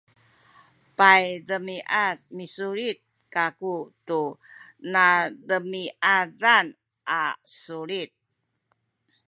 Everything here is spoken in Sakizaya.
paydemiad misulit kaku tu nademiad a sulit